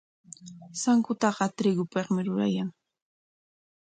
Sankutaqa trigopikmi rurayan.